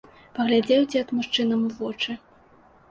Паглядзеў дзед мужчынам у вочы.